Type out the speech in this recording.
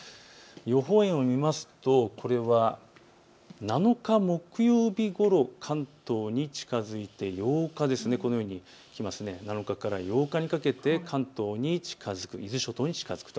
予報円を見ますとこれは７日木曜日ごろ、関東に近づいて７日から８日にかけて関東に近づく、伊豆諸島に近づく。